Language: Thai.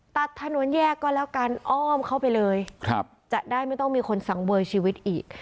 ตัดถนนแยกก็แล้วกันอ้อมเข้าไปเลยจะได้ไม่ต้องมีคนสังเวยชีวิตอีก